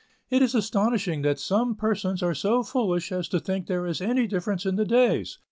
It is astonishing that some persons are so foolish as to think there is any difference in the days.